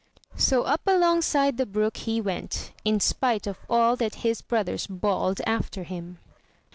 So up alongside the brook he went, in spite of all that his brothers bawled after him.